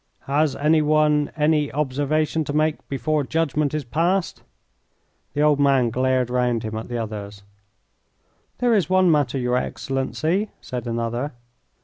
"Has any one any observation to make before judgment is passed?" The old man glared round him at the others. "There is one matter, your Excellency," said another.